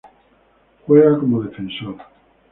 Juega como defensor.